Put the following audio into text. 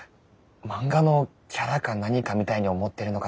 漫画のキャラか何かみたいに思ってるのかな？